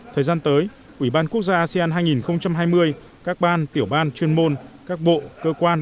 thời gian tới ủy ban quốc gia asean hai nghìn hai mươi các ban tiểu ban chuyên môn các bộ cơ quan